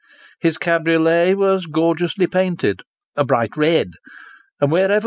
His cabriolet was gorgeously painted a bright red ; and wherever The Red Cab.